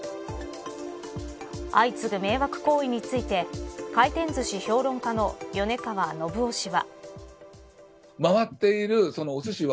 相次ぐ迷惑行為について回転ずし評論家の米川伸生氏は。